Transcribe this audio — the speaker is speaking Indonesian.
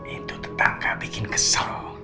itu tetangga bikin kesel